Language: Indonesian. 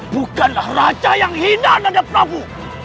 bukanlah raja yang hina nanda prabu